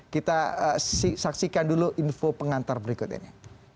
kita saksikan dulu info pengantar berikut ini